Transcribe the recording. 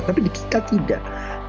tapi di kita tidak